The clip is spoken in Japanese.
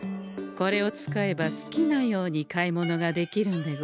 これを使えば好きなように買い物ができるんでござんす。